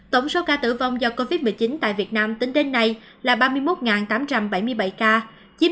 tổng số ca tử vong do covid một mươi chín tại việt nam tính đến nay là ba mươi một tám trăm bảy mươi bảy ca chiếm tỷ lệ một chín so với tổng số ca nhiễm